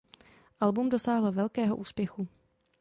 Album dosáhlo velkého úspěchu.